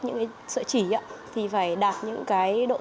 những cái sợi chỉ thì phải đạt những cái độ tiết nhất